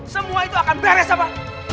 semua itu akan beres apa